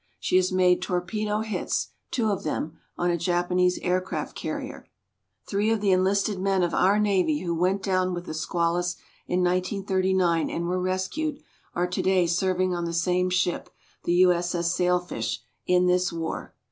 She has made torpedo hits two of them on a Japanese aircraft carrier. Three of the enlisted men of our Navy who went down with the SQUALUS in 1939 and were rescued, are today serving on the same ship, the U.S.S. SAILFISH, in this war.